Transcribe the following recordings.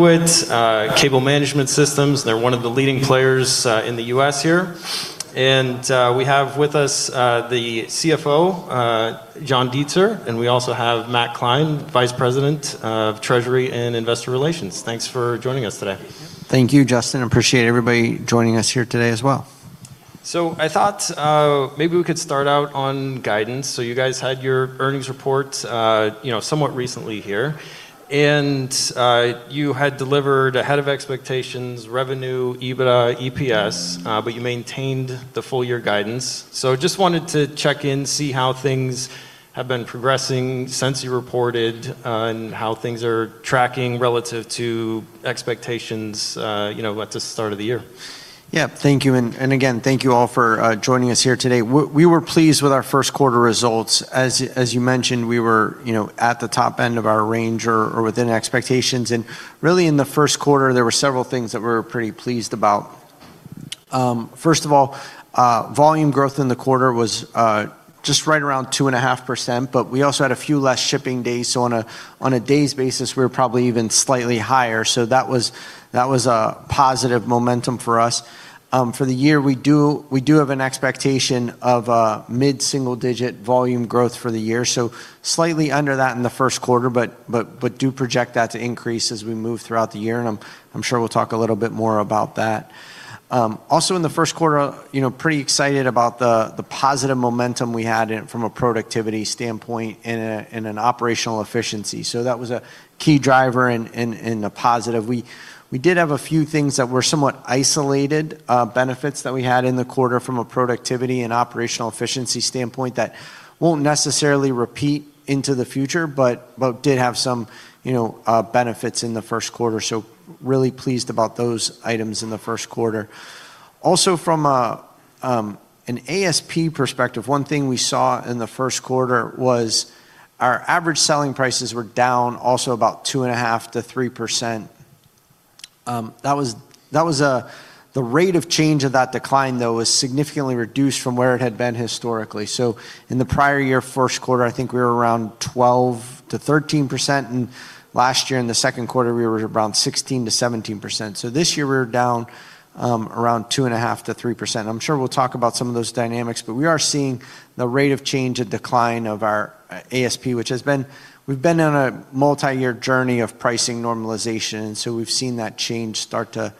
Cable management systems. They're one of the leading players in the U.S. here. We have with us the CFO, John Deitzer, and we also have Matt Kline, Vice President of Treasury and Investor Relations. Thanks for joining us today. Thank you, Justin. Appreciate everybody joining us here today as well. I thought, maybe we could start out on guidance. You guys had your earnings report, you know, somewhat recently here, and you had delivered ahead of expectations revenue, EBITDA, EPS, but you maintained the full year guidance. Just wanted to check in, see how things have been progressing since you reported, on how things are tracking relative to expectations, you know, at the start of the year. Yeah. Thank you. Again, thank you all for joining us here today. We were pleased with our first quarter results. As you mentioned, we were, you know, at the top end of our range or within expectations. Really, in the first quarter, there were several things that we're pretty pleased about. First of all, volume growth in the quarter was just right around 2.5%, but we also had a few less shipping days, so on a day's basis, we're probably even slightly higher. That was a positive momentum for us. For the year, we do have an expectation of mid-single digit volume growth for the year. Slightly under that in the first quarter, but do project that to increase as we move throughout the year, and I'm sure we'll talk a little bit more about that. Also in the first quarter, you know, pretty excited about the positive momentum we had in it from a productivity standpoint and an operational efficiency. That was a key driver and a positive. We did have a few things that were somewhat isolated benefits that we had in the quarter from a productivity and operational efficiency standpoint that won't necessarily repeat into the future, but did have some, you know, benefits in the first quarter. Really pleased about those items in the first quarter. Also from an ASP perspective, one thing we saw in the first quarter was our average selling prices were down also about 2.5%-3%. That was. The rate of change of that decline, though, was significantly reduced from where it had been historically. In the prior year first quarter, I think we were around 12%-13%, and last year in the second quarter, we were around 16%-17%. This year we're down around 2.5%-3%. I'm sure we'll talk about some of those dynamics, but we are seeing the rate of change and decline of our ASP, which has been. We've been on a multi-year journey of pricing normalization, and so we've seen that change start to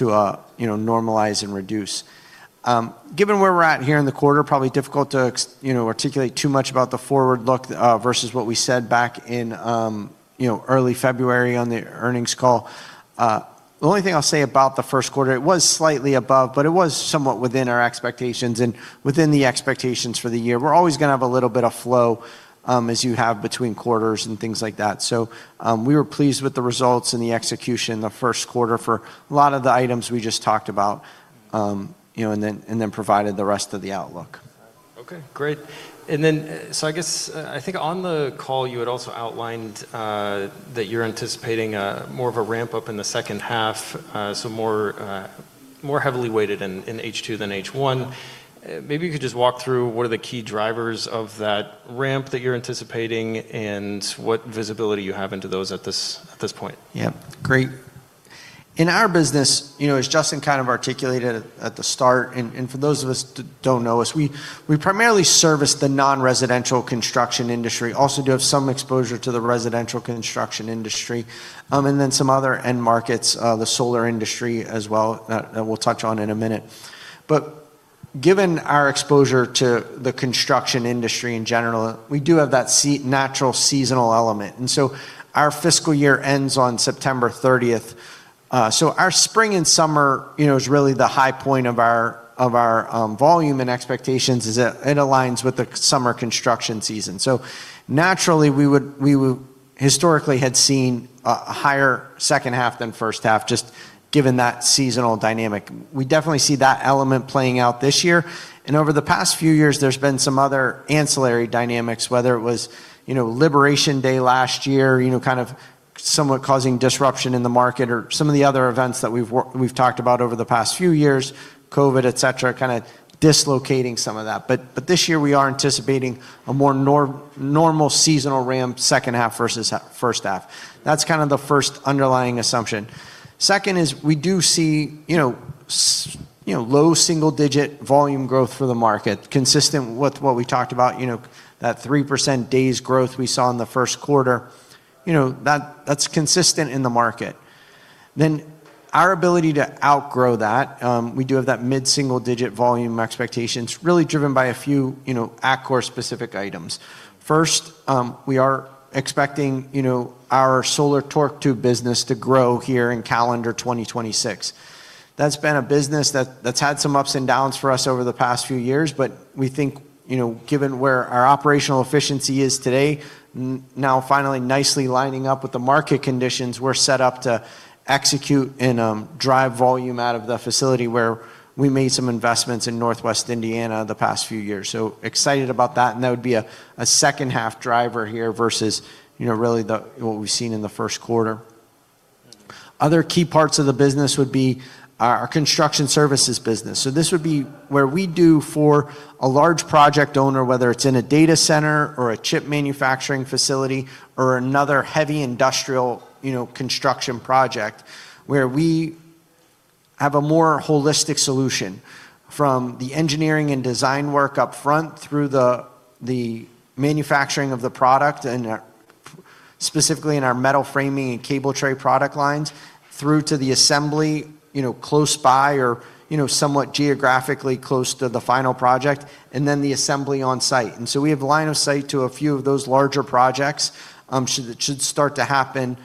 you know, normalize and reduce. Given where we're at here in the quarter, probably difficult to, you know, articulate too much about the forward look versus what we said back in, you know, early February on the earnings call. The only thing I'll say about the first quarter, it was slightly above, but it was somewhat within our expectations and within the expectations for the year. We're always gonna have a little bit of flow as you have between quarters and things like that. We were pleased with the results and the execution in the first quarter for a lot of the items we just talked about, you know, and then provided the rest of the outlook. Okay. Great. I guess I think on the call, you had also outlined that you're anticipating more of a ramp up in the second half, so more heavily weighted in H2 than H1. Maybe you could just walk through what are the key drivers of that ramp that you're anticipating and what visibility you have into those at this point. Yeah. Great. In our business, you know, as Justin kind of articulated at the start, and for those of us that don't know us, we primarily service the non-residential construction industry. Also do have some exposure to the residential construction industry, and then some other end markets, the solar industry as well, that we'll touch on in a minute. Given our exposure to the construction industry in general, we do have that natural seasonal element. Our fiscal year ends on September thirtieth. Our spring and summer, you know, is really the high point of our volume and expectations is, it aligns with the summer construction season. Naturally, we would historically had seen a higher second half than first half, just given that seasonal dynamic. We definitely see that element playing out this year. Over the past few years, there's been some other ancillary dynamics, whether it was, you know, Liberation Day last year, you know, kind of somewhat causing disruption in the market or some of the other events that we've talked about over the past few years, COVID, et cetera, kind of dislocating some of that. But this year we are anticipating a more normal seasonal ramp second half versus first half. That's kind of the first underlying assumption. Second is we do see, you know, low single digit volume growth for the market consistent with what we talked about, you know, that 3% Dodge's growth we saw in the first quarter. You know, that's consistent in the market. Our ability to outgrow that, we do have that mid-single digit volume expectations really driven by a few, you know, Atkore specific items. First, we are expecting, you know, our solar torque tube business to grow here in calendar 2026. That's been a business that's had some ups and downs for us over the past few years, but we think, you know, given where our operational efficiency is today, now finally nicely lining up with the market conditions, we're set up to execute and drive volume out of the facility where we made some investments in Northwest Indiana the past few years. Excited about that, and that would be a second half driver here versus, you know, really the, what we've seen in the first quarter. Other key parts of the business would be our construction services business. This would be where we do for a large project owner, whether it's in a data center or a chip manufacturing facility or another heavy industrial, you know, construction project where we have a more holistic solution from the engineering and design work up front through the manufacturing of the product and, specifically in our metal framing and cable tray product lines, through to the assembly, you know, close by or, you know, somewhat geographically close to the final project, and then the assembly on site. We have line of sight to a few of those larger projects that should start to happen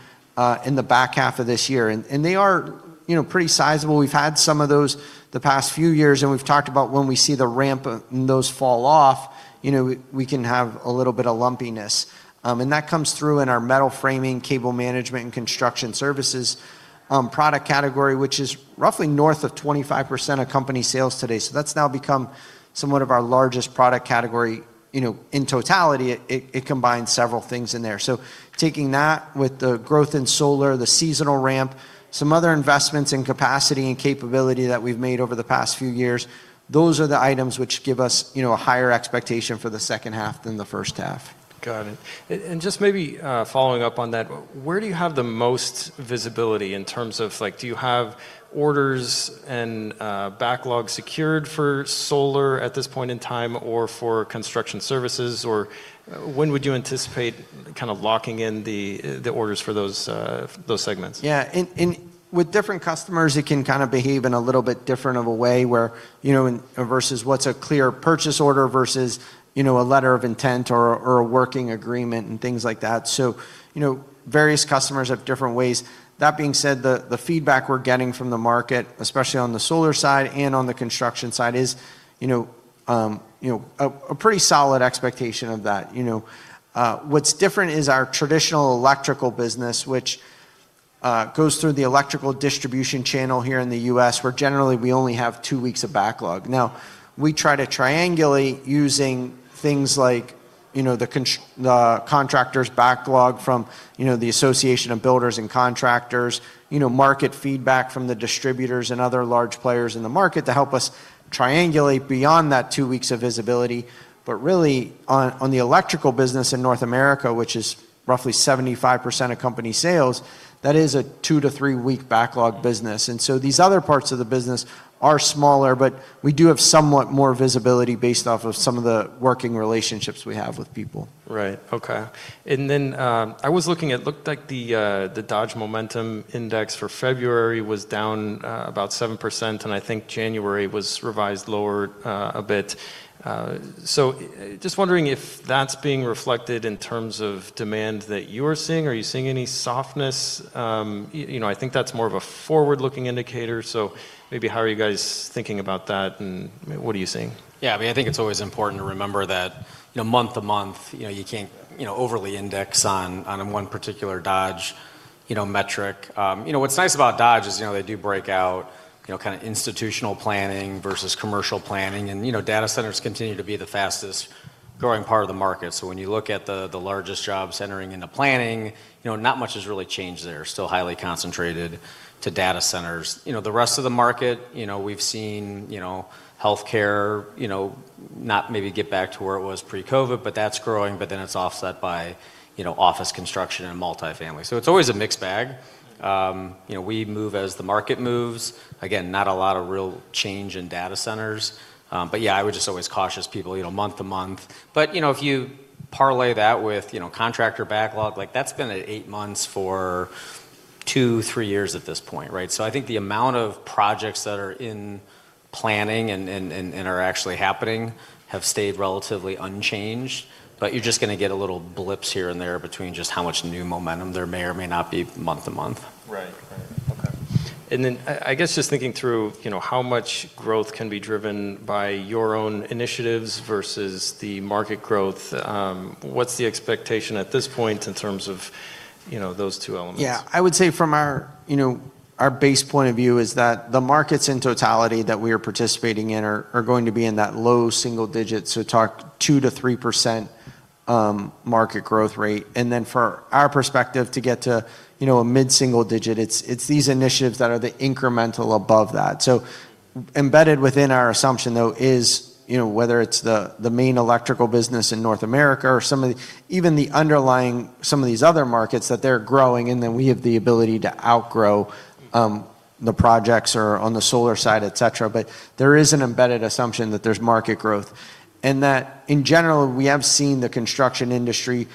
in the back half of this year. They are, you know, pretty sizable. We've had some of those the past few years, and we've talked about when we see the ramp of those fall off, you know, we can have a little bit of lumpiness. That comes through in our metal framing, cable management, and construction services product category, which is roughly north of 25% of company sales today. That's now become somewhat of our largest product category. You know, in totality, it combines several things in there. Taking that with the growth in solar, the seasonal ramp, some other investments in capacity and capability that we've made over the past few years, those are the items which give us, you know, a higher expectation for the second half than the first half. Got it. Just maybe following up on that, where do you have the most visibility in terms of like, do you have orders and backlog secured for solar at this point in time, or for construction services, or when would you anticipate kind of locking in the orders for those segments? With different customers, it can kind of behave in a little bit different of a way where you know and versus what's a clear purchase order versus you know a letter of intent or a working agreement and things like that. Various customers have different ways. That being said, the feedback we're getting from the market, especially on the solar side and on the construction side, is you know a pretty solid expectation of that. You know what's different is our traditional electrical business, which goes through the electrical distribution channel here in the U.S., where generally we only have two weeks of backlog. Now, we try to triangulate using things like, you know, the contractor's backlog from, you know, the Association of Builders and Contractors, you know, market feedback from the distributors and other large players in the market to help us triangulate beyond that two weeks of visibility. But really, on the electrical business in North America, which is roughly 75% of company sales, that is a two- to three-week backlog business. These other parts of the business are smaller, but we do have somewhat more visibility based off of some of the working relationships we have with people. Right. Okay. Then, I was looking. It looked like the Dodge Momentum Index for February was down about 7%, and I think January was revised lower a bit. Just wondering if that's being reflected in terms of demand that you're seeing. Are you seeing any softness? You know, I think that's more of a forward-looking indicator. Maybe how are you guys thinking about that, and what are you seeing? Yeah. I mean, I think it's always important to remember that, you know, month to month, you know, you can't, you know, overly index on one particular Dodge, you know, metric. You know, what's nice about Dodge is, you know, they do break out, you know, kind of institutional planning versus commercial planning. You know, data centers continue to be the fastest-growing part of the market. When you look at the largest jobs entering into planning, you know, not much has really changed there. Still highly concentrated to data centers. You know, the rest of the market, you know, we've seen, you know, healthcare, you know, not maybe get back to where it was pre-COVID, but that's growing, but then it's offset by, you know, office construction and multifamily. It's always a mixed bag. You know, we move as the market moves. Again, not a lot of real change in data centers. Yeah, I would just always caution people, you know, month to month. You know, if you parlay that with, you know, contractor backlog, like that's been at eight months for two, three years at this point, right? I think the amount of projects that are in planning and are actually happening have stayed relatively unchanged, but you're just gonna get a little blips here and there between just how much new momentum there may or may not be month to month. Right. Okay. I guess just thinking through, you know, how much growth can be driven by your own initiatives versus the market growth, what's the expectation at this point in terms of, you know, those two elements? Yeah. I would say from our, you know, our base point of view is that the markets in totality that we are participating in are going to be in that low single digits, so 2%-3% market growth rate. For our perspective to get to, you know, a mid-single digit, it's these initiatives that are the incremental above that. Embedded within our assumption, though, is, you know, whether it's the main electrical business in North America or even the underlying some of these other markets that they're growing, and then we have the ability to outgrow the projects or on the solar side, et cetera. There is an embedded assumption that there's market growth and that in general, we have seen the construction industry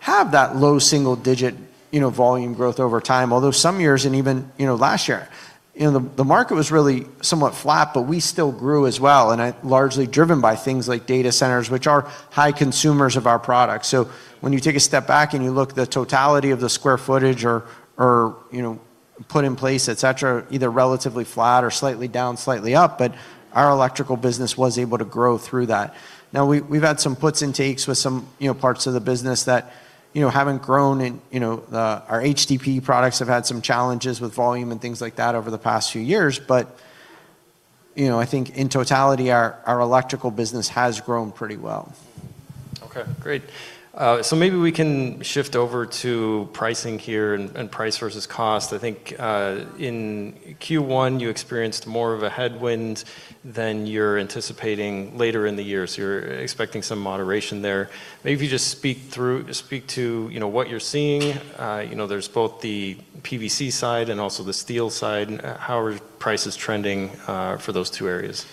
have that low single digit, you know, volume growth over time. Although some years, and even, you know, last year, you know, the market was really somewhat flat, but we still grew as well, and, largely driven by things like data centers, which are high consumers of our products. When you take a step back and you look at the totality of the square footage or, you know, put in place, et cetera, either relatively flat or slightly down, slightly up, but our electrical business was able to grow through that. Now we've had some puts and takes with some, you know, parts of the business that, you know, haven't grown and, you know, our HDPE products have had some challenges with volume and things like that over the past few years. You know, I think in totality, our electrical business has grown pretty well. Okay, great. Maybe we can shift over to pricing here and price versus cost. I think in Q1, you experienced more of a headwind than you're anticipating later in the year, so you're expecting some moderation there. Maybe if you just speak to, you know, what you're seeing. You know, there's both the PVC side and also the steel side. How are prices trending for those two areas?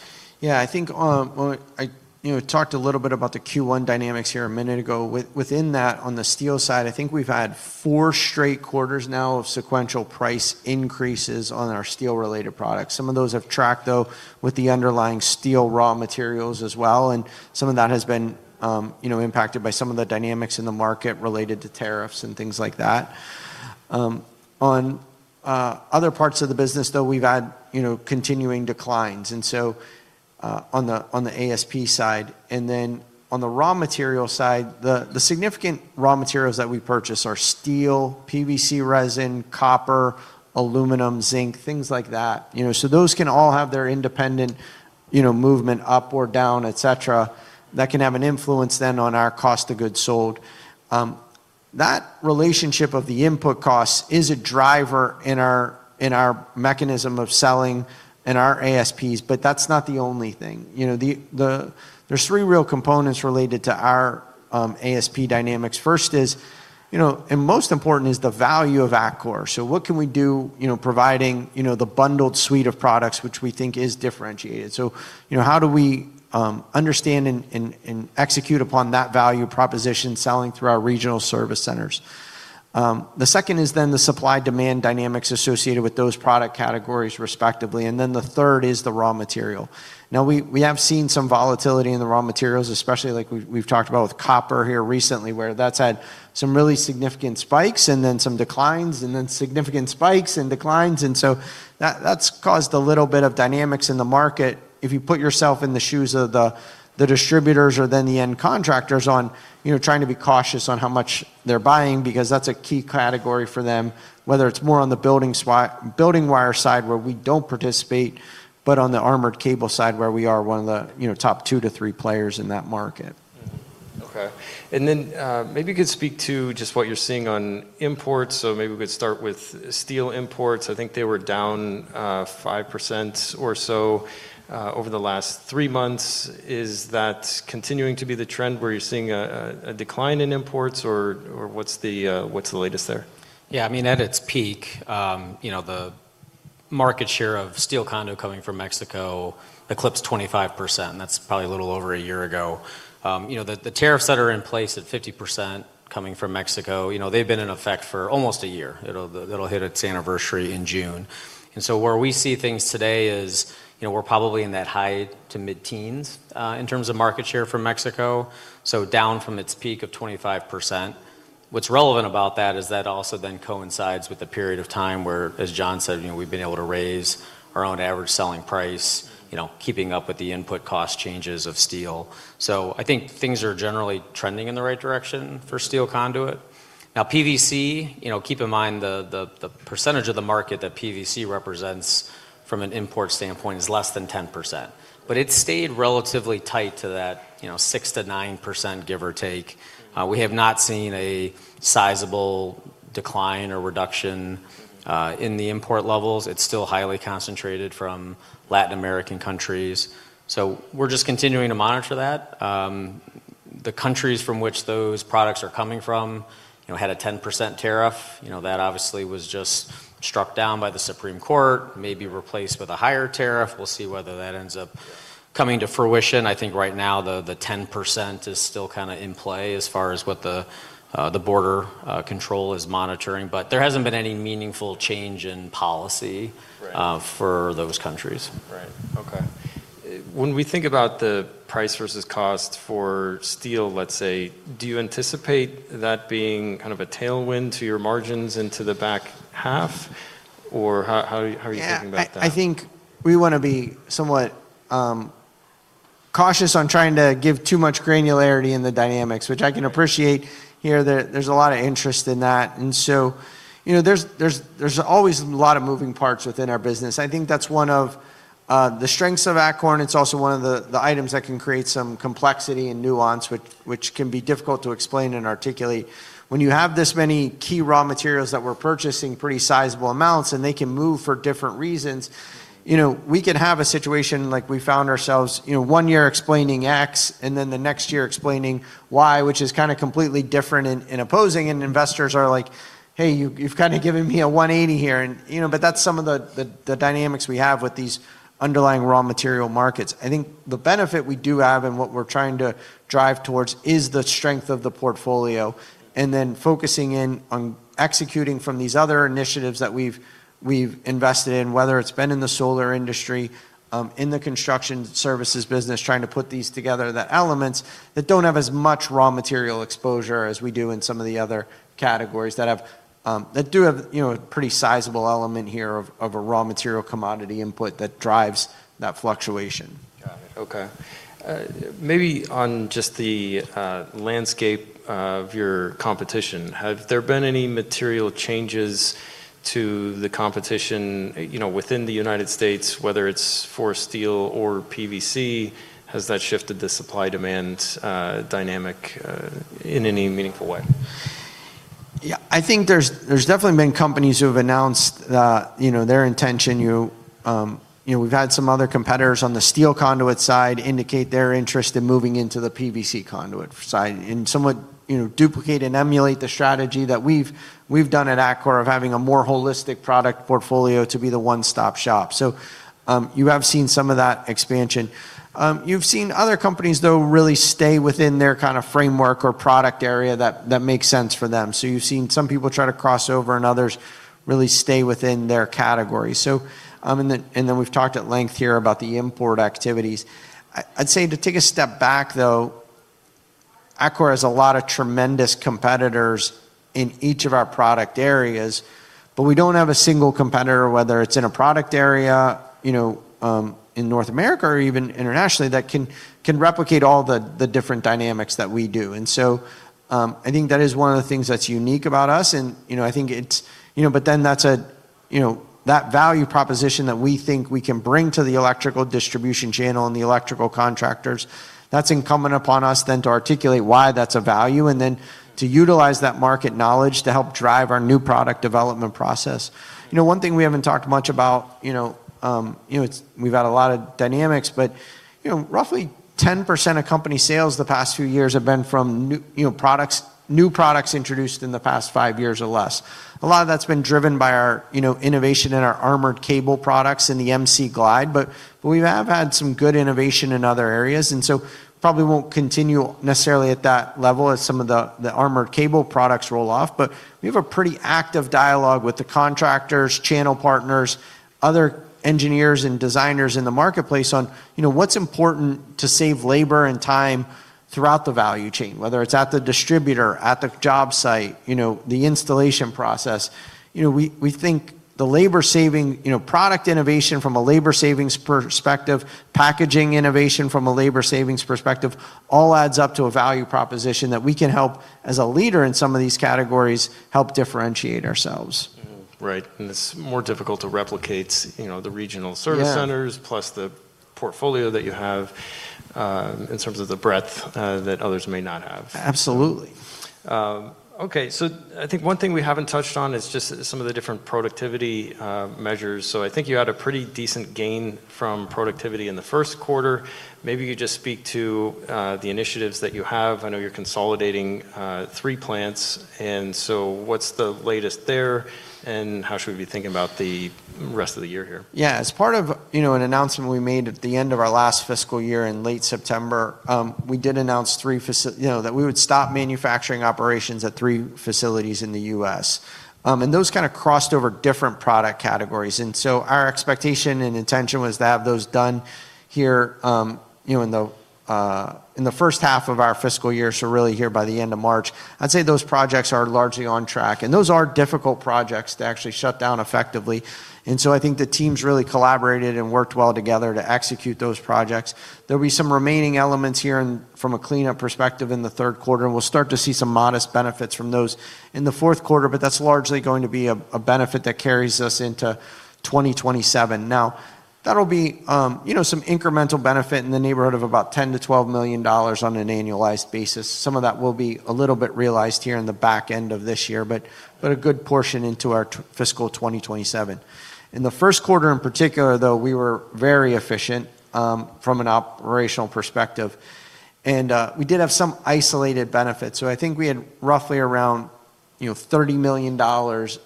Yeah. I think, well, you know, I talked a little bit about the Q1 dynamics here a minute ago. Within that, on the steel side, I think we've had four straight quarters now of sequential price increases on our steel-related products. Some of those have tracked, though, with the underlying steel raw materials as well, and some of that has been, you know, impacted by some of the dynamics in the market related to tariffs and things like that. On other parts of the business, though, we've had, you know, continuing declines, and so on the ASP side. On the raw material side, the significant raw materials that we purchase are steel, PVC resin, copper, aluminum, zinc, things like that. You know, those can all have their independent, you know, movement up or down, et cetera, that can have an influence then on our cost of goods sold. That relationship of the input costs is a driver in our mechanism of selling and our ASPs, but that's not the only thing. You know, there's three real components related to our ASP dynamics. First is, you know, and most important is the value of Atkore. What can we do, you know, providing, you know, the bundled suite of products which we think is differentiated? You know, how do we understand and execute upon that value proposition selling through our regional service centers? The second is then the supply-demand dynamics associated with those product categories respectively. Then the third is the raw material. Now, we have seen some volatility in the raw materials, especially like we've talked about with copper here recently, where that's had some really significant spikes and then some declines, and then significant spikes and declines. That's caused a little bit of dynamics in the market. If you put yourself in the shoes of the distributors or then the end contractors on, you know, trying to be cautious on how much they're buying because that's a key category for them, whether it's more on the building wire side where we don't participate, but on the armored cable side where we are one of the, you know, top two to three players in that market. Okay. Then, maybe you could speak to just what you're seeing on imports. Maybe we could start with steel imports. I think they were down 5% or so over the last three months. Is that continuing to be the trend where you're seeing a decline in imports, or what's the latest there? Yeah, I mean, at its peak, you know, the market share of steel conduit coming from Mexico eclipsed 25%, and that's probably a little over a year ago. You know, the tariffs that are in place at 50% coming from Mexico, you know, they've been in effect for almost a year. It'll hit its anniversary in June. Where we see things today is, you know, we're probably in that high to mid-teens % in terms of market share from Mexico, so down from its peak of 25%. What's relevant about that is that also then coincides with the period of time where, as John said, you know, we've been able to raise our own average selling price. You know, keeping up with the input cost changes of steel. I think things are generally trending in the right direction for steel conduit. Now, PVC, you know, keep in mind the percentage of the market that PVC represents from an import standpoint is less than 10%, but it's stayed relatively tight to that, you know, 6%-9%, give or take. We have not seen a sizable decline or reduction in the import levels. It's still highly concentrated from Latin American countries. We're just continuing to monitor that. The countries from which those products are coming from, you know, had a 10% tariff. You know, that obviously was just struck down by the Supreme Court, may be replaced with a higher tariff. We'll see whether that ends up coming to fruition. I think right now the 10% is still kinda in play as far as what the border control is monitoring. There hasn't been any meaningful change in policy for those countries. Right. Okay. When we think about the price versus cost for steel, let's say, do you anticipate that being kind of a tailwind to your margins into the back half? Or how are you thinking about that? Yeah. I think we wanna be somewhat cautious on trying to give too much granularity in the dynamics, which I can appreciate here that there's a lot of interest in that. You know, there's always a lot of moving parts within our business. I think that's one of the strengths of Atkore, and it's also one of the items that can create some complexity and nuance, which can be difficult to explain and articulate. When you have this many key raw materials that we're purchasing pretty sizable amounts, and they can move for different reasons, you know, we can have a situation like we found ourselves, you know, one year explaining X and then the next year explaining Y, which is kinda completely different and opposing. Investors are like, "Hey, you've kinda given me a 180 here." You know, but that's some of the dynamics we have with these underlying raw material markets. I think the benefit we do have and what we're trying to drive towards is the strength of the portfolio and then focusing in on executing from these other initiatives that we've invested in, whether it's been in the solar industry, in the construction services business, trying to put these together, the elements that don't have as much raw material exposure as we do in some of the other categories that do have, you know, a pretty sizable element here of a raw material commodity input that drives that fluctuation. Got it. Okay. Maybe on just the landscape of your competition, have there been any material changes to the competition, you know, within the United States, whether it's for steel or PVC? Has that shifted the supply-demand dynamic in any meaningful way? Yeah, I think there's definitely been companies who have announced, you know, their intention. You know, we've had some other competitors on the steel conduit side indicate their interest in moving into the PVC conduit side and somewhat, you know, duplicate and emulate the strategy that we've done at Atkore of having a more holistic product portfolio to be the one-stop shop. You have seen some of that expansion. You've seen other companies, though, really stay within their kind of framework or product area that makes sense for them. You've seen some people try to cross over and others really stay within their category. We've talked at length here about the import activities. I'd say to take a step back, though. Atkore has a lot of tremendous competitors in each of our product areas, but we don't have a single competitor, whether it's in a product area, you know, in North America or even internationally, that can replicate all the different dynamics that we do. I think that is one of the things that's unique about us and, you know, I think it's, you know, that value proposition that we think we can bring to the electrical distribution channel and the electrical contractors. That's incumbent upon us then to articulate why that's a value and then to utilize that market knowledge to help drive our new product development process. You know, one thing we haven't talked much about, you know. We've had a lot of dynamics, but, you know, roughly 10% of company sales the past few years have been from new, you know, products, new products introduced in the past five years or less. A lot of that's been driven by our, you know, innovation in our armored cable products in the MC Glide, but we have had some good innovation in other areas, and so probably won't continue necessarily at that level as some of the armored cable products roll off. We have a pretty active dialogue with the contractors, channel partners, other engineers and designers in the marketplace on, you know, what's important to save labor and time throughout the value chain, whether it's at the distributor, at the job site, you know, the installation process. You know, we think the labor-saving, you know, product innovation from a labor savings perspective, packaging innovation from a labor savings perspective all adds up to a value proposition that we can help, as a leader in some of these categories, help differentiate ourselves. Right. It's more difficult to replicate, you know, the regional service centers plus the portfolio that you have, in terms of the breadth, that others may not have. Absolutely. Okay. I think one thing we haven't touched on is just some of the different productivity measures. I think you had a pretty decent gain from productivity in the first quarter. Maybe you could just speak to the initiatives that you have. I know you're consolidating three plants, and so what's the latest there, and how should we be thinking about the rest of the year here? Yeah. As part of, you know, an announcement we made at the end of our last fiscal year in late September, we did announce, you know, that we would stop manufacturing operations at three facilities in the U.S. Those kind of crossed over different product categories, and so our expectation and intention was to have those done here, you know, in the first half of our fiscal year, so really here by the end of March. I'd say those projects are largely on track, and those are difficult projects to actually shut down effectively. I think the teams really collaborated and worked well together to execute those projects. There'll be some remaining elements here in from a cleanup perspective in the third quarter, and we'll start to see some modest benefits from those in the fourth quarter, but that's largely going to be a benefit that carries us into 2027. Now, that'll be you know, some incremental benefit in the neighborhood of about $10 million-$12 million on an annualized basis. Some of that will be a little bit realized here in the back end of this year, but a good portion into our fiscal 2027. In the first quarter, in particular, though, we were very efficient from an operational perspective, and we did have some isolated benefits. I think we had roughly around you know, $30 million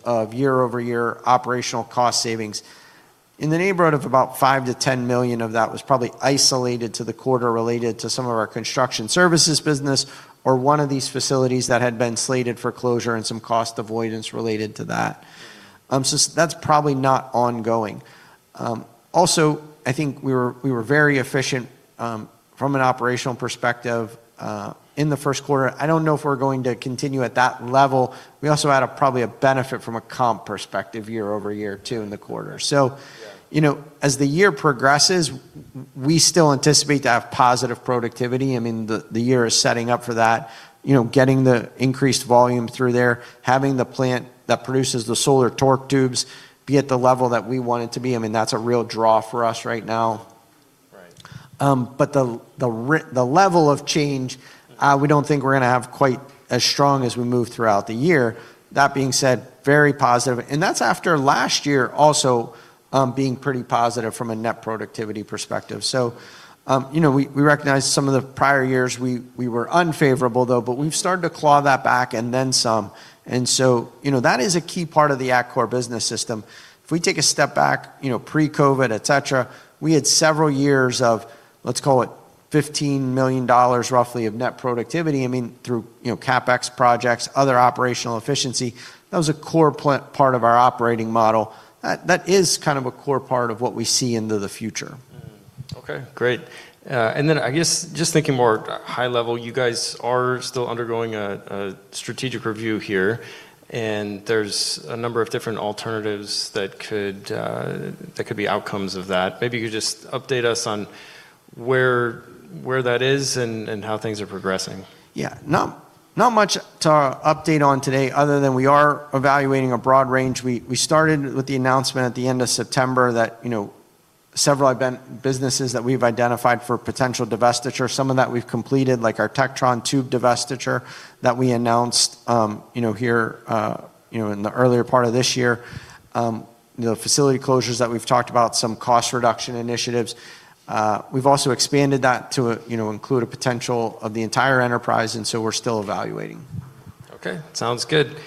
of year-over-year operational cost savings. In the neighborhood of about $5 million-$10 million of that was probably isolated to the quarter related to some of our construction services business or one of these facilities that had been slated for closure and some cost avoidance related to that. That's probably not ongoing. Also, I think we were very efficient from an operational perspective in the first quarter. I don't know if we're going to continue at that level. We also had probably a benefit from a comp perspective year-over-year too in the quarter. Yeah. You know, as the year progresses, we still anticipate to have positive productivity. I mean, the year is setting up for that. You know, getting the increased volume through there, having the plant that produces the solar torque tubes be at the level that we want it to be. I mean, that's a real draw for us right now. Right. The level of change, we don't think we're gonna have quite as strong as we move throughout the year. That being said, very positive. That's after last year also, being pretty positive from a net productivity perspective. You know, we recognize some of the prior years we were unfavorable though, but we've started to claw that back and then some. You know, that is a key part of the Atkore business system. If we take a step back, you know, pre-COVID, et cetera, we had several years of, let's call it $15 million roughly of net productivity. I mean, through, you know, CapEx projects, other operational efficiency. That was a core part of our operating model. That is kind of a core part of what we see into the future. Okay, great. I guess just thinking more high level, you guys are still undergoing a strategic review here, and there's a number of different alternatives that could be outcomes of that. Maybe you could just update us on where that is and how things are progressing. Yeah. Not much to update on today other than we are evaluating a broad range. We started with the announcement at the end of September that, you know, several businesses that we've identified for potential divestiture, some of that we've completed, like our Tectron Tube divestiture that we announced, you know, here, you know, in the earlier part of this year. The facility closures that we've talked about, some cost reduction initiatives. We've also expanded that to, you know, include a potential of the entire enterprise, and so we're still evaluating. Okay. Sounds good.